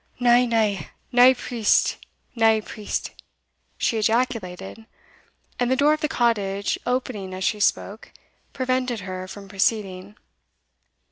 "Na, na nae priest! nae priest!" she ejaculated; and the door of the cottage opening as she spoke, prevented her from proceeding.